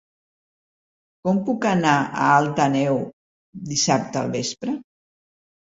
Com puc anar a Alt Àneu dissabte al vespre?